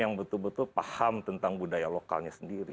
yang betul betul paham tentang budaya lokalnya sendiri